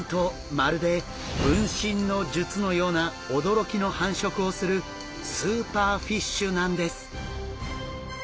まるで分身の術のような驚きの繁殖をするスーパーフィッシュなんです！